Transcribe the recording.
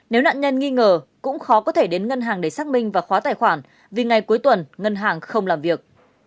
nếu nạn nhân nghi ngờ cũng khó có thể đến ngân hàng để xác minh và khóa tài khoản vì ngày cuối tuần ngân hàng không làm việc